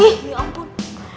ih ya ampun